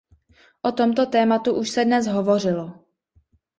O tomto tématu už se dnes hovořilo.